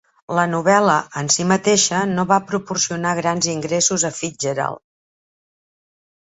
La novel·la en si mateixa no va proporcionar grans ingressos a Fitzgerald.